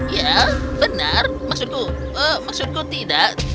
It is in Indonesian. ya benar maksudku tidak